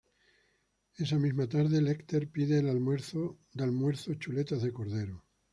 Esa misma tarde, Lecter pide de almuerzo chuletas de cordero.